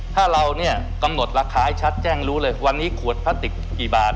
ถ้าเราเนี่ยกำหนดราคาให้ชัดแจ้งรู้เลยวันนี้ขวดพลาสติกกี่บาท